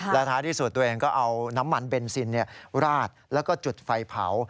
และท้ายที่สุดตัวเองก็เอาน้ำมันเบนซินราดแล้วก็จุดไฟเผา